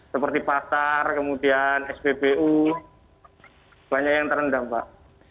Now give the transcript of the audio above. seperti pasar kemudian spbu banyak yang terendam pak